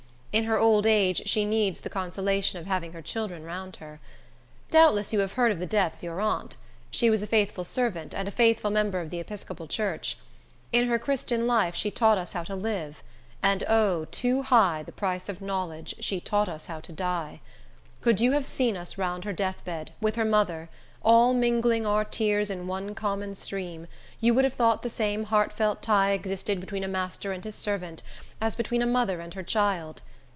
In her old age she needs the consolation of having her children round her. Doubtless you have heard of the death of your aunt. She was a faithful servant, and a faithful member of the Episcopal church. In her Christian life she taught us how to live—and, O, too high the price of knowledge, she taught us how to die! Could you have seen us round her death bed, with her mother, all mingling our tears in one common stream, you would have thought the same heartfelt tie existed between a master and his servant, as between a mother and her child.